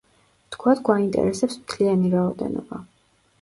ვთქვათ, გვაინტერესებს მთლიანი რაოდენობა.